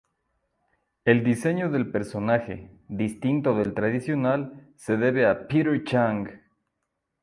El diseño del personaje, distinto del tradicional, se debe a Peter Chung.